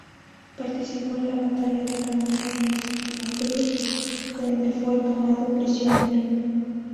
Participó en la batalla de Cañada de la Cruz, donde fue tomado prisionero.